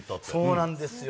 そうなんですよ。